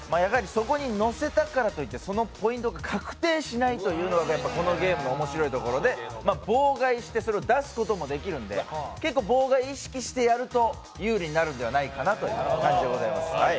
そこに乗せたからといってポイントが確定しないところがこのゲームの面白いところで妨害してそれを出すこともできるので結構妨害を意識してやると有利になるんじゃないかなという感じです。